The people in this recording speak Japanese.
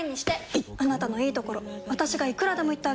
いっあなたのいいところ私がいくらでも言ってあげる！